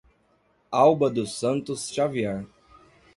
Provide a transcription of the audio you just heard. Alba dos Santos Xavier